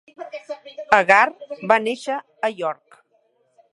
Agar va néixer a York.